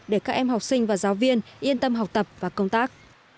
để các em học sinh và giáo viên yên tâm học tập và công tác